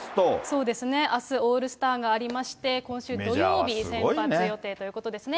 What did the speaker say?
そうですね、あすオールスターがありまして、今週土曜日先発予定ということですね。